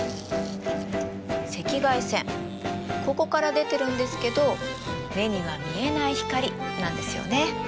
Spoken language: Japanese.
赤外線ここから出てるんですけど目には見えない光なんですよね。